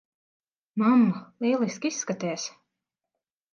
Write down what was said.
Mamma, lieliski izskaties.